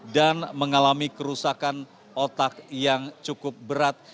dan mengalami kerusakan otak yang cukup berat